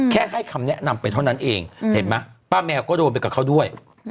ให้คำแนะนำไปเท่านั้นเองเห็นไหมป้าแมวก็โดนไปกับเขาด้วย